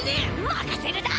まかせるだ！